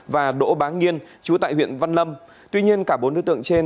và đỗ bá nghiên chú tại huyện văn lâm tuy nhiên cả bốn đối tượng trên